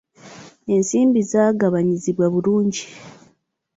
Ensimbi zaagabanyizibwa bulungi.